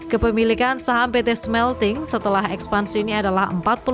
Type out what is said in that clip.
kepemilikan saham pt smelting setelah ekspansi ini adalah